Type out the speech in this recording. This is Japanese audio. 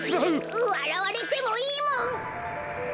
わらわれてもいいもん！